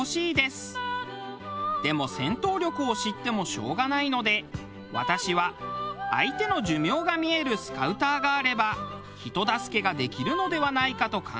でも戦闘力を知ってもしょうがないので私は相手の寿命が見えるスカウターがあれば人助けができるのではないかと考えています。